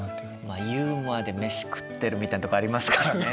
まあユーモアで飯食ってるみたいなとこありますからね